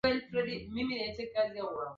pengo hilo ilikuwa ikizidi kuongezeka